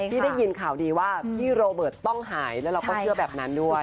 ได้ยินข่าวดีว่าพี่โรเบิร์ตต้องหายแล้วเราก็เชื่อแบบนั้นด้วย